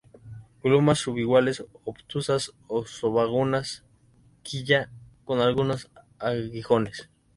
Glumas subiguales, obtusas o subagudas; quilla con algunos aguijones.